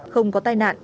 không có tai nạn